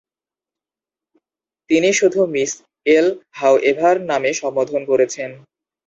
তিনি শুধু Miss L হাওএভার নামে সম্বোধন করেছেন।